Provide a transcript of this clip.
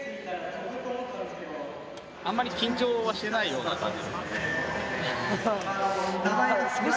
あんまり緊張はしてないような感じ？